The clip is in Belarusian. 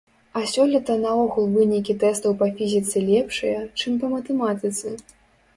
А сёлета наогул вынікі тэстаў па фізіцы лепшыя, чым па матэматыцы.